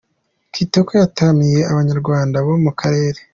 Kitoko yataramiye Abanyarwanda bo mu karere